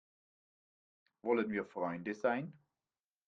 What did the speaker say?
Wollen wir Freunde sein?